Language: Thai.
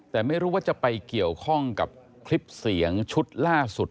แต่ไม่รู้ว่าจะไปเกี่ยวข้องกับคลิปเสียงชุดล่าสุด